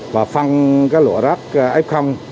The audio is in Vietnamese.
và phân cái lụa rác f